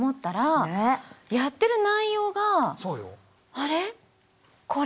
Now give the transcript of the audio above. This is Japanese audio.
あれ？